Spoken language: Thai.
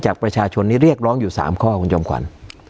การแสดงความคิดเห็น